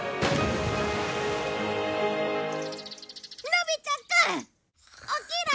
のび太くん！起きろ。